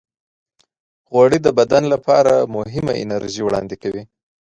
غوړې د بدن لپاره مهمه انرژي وړاندې کوي.